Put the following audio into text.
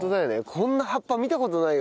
こんな葉っぱ見た事ないよ。